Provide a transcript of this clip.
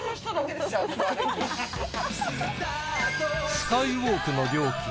スカイウォークの料金